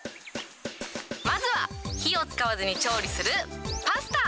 まずは、火を使わずに調理するパスタ。